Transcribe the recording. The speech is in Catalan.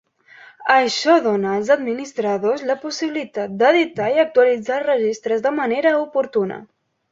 Això dona als administradors la possibilitat d'editar i actualitzar els registres de manera oportuna.